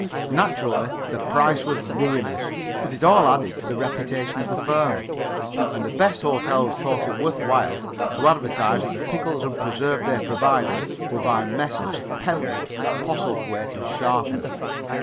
Naturally the price was ruinous. But it all added to the reputation of the firm. And the best hotels thought it worth while to advertise that the pickles and preserves they provided were by Messrs. Pentlove, Postlethwaite and Sharper.